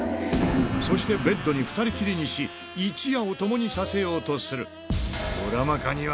そしてベッドに２人きりにし、一夜を共にさせようとする。